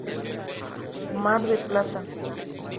Mar del Plata.